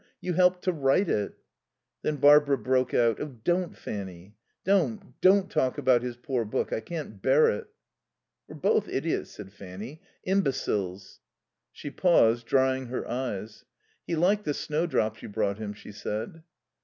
You helped to write it." Then Barbara broke out. "Oh, don't, Fanny, don't, don't talk about his poor book. I can't bear it." "We're both idiots," said Fanny. "Imbeciles." She paused, drying her eyes. "He liked the snowdrops you brought him," she said.